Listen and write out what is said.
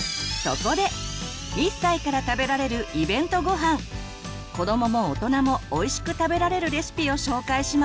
子どもも大人もおいしく食べられるレシピを紹介します。